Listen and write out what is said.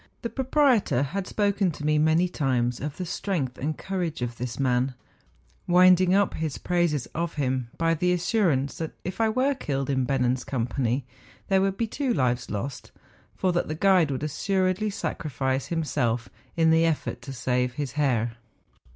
The proprietor had spoken to me many times of the strength and courage of this man, winding up his praises of him by the assurance that if I were killed in Bennen's company, there would be two lives lost; for that the guide would assuredly sacrifice himself in the effort to save his Herr, D 34 MOUNTAIN ADVENTURES.